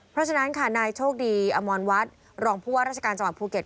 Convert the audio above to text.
เพราะฉะนั้นค่ะนายโชคดีอมรวัฒน์รองผู้ว่าราชการจังหวัดภูเก็ต